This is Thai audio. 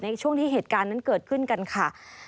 ในช่วงที่เหตุการณ์นั้นเกิดขึ้นกันค่ะ